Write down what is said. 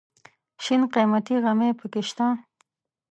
شین قیمتي غمی پکې شته.